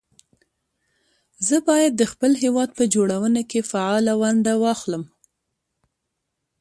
زه بايد د خپل هېواد په جوړونه کې فعاله ونډه واخلم